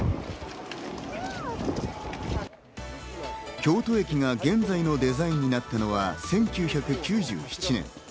京都駅が現在のデザインになったのは１９９７年。